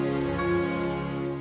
sampai jumpa lagi